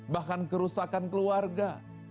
bahkan kerusakan keluarga